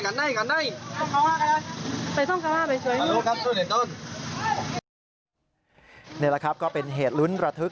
นี่แหละครับก็เป็นเหตุลุ้นระทึก